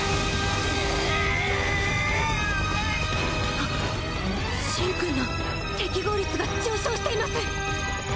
あっシンくんの適合率が上昇しています！